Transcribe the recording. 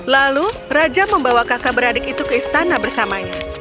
lalu raja membawa kakak beradik itu ke istana bersamanya